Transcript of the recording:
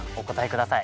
ください